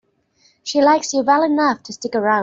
She likes you well enough to stick around.